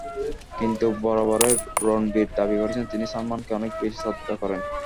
কিন্তু বরাবরই রণবীর দাবি করেছেন, তিনি সালমানকে অনেক বেশি শ্রদ্ধা করেন।